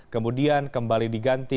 kemudian kembali diganti